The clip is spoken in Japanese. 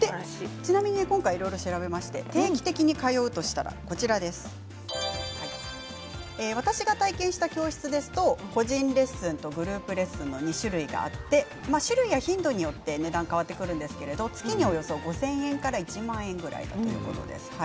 ちなみに今回いろいろ調べまして定期的に通うとしたら私が体験した教室ですと個人レッスンとグループレッスンの２種類があって種類や頻度によって値段は変わってくるんですけれど月におよそ５０００円から１万円ぐらいということです。